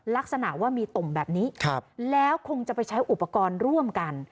ลักษณะว่ามีตุ่มแบบนี้แล้วคงจะไปใช้อุปกรณ์ร่วมกัน